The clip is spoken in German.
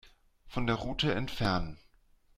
Von der Route entfernen.